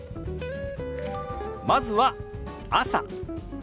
まずは「朝」。